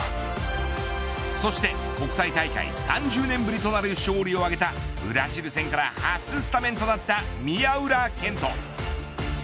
そして国際大会３０年ぶりとなる勝利を挙げたブラジル戦から初スタメンとなった宮浦健人。